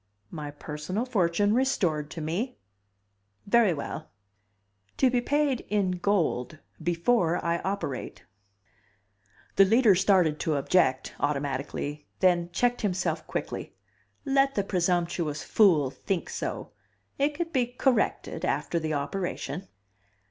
"My personal fortune restored to me " "Very well." " to be paid in gold before I operate!" The Leader started to object automatically, then checked himself quickly. Let the presumptuous fool think so! It could be corrected after the operation.